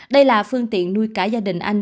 đây là phương tiện nuôi cả gia đình anh